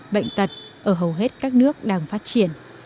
bệnh tật ở hầu hết các nước đang phát triển